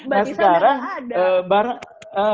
mbak isah gak ada